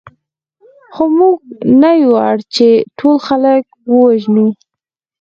خو موږ نه یو اړ چې ټول خلک ووژنو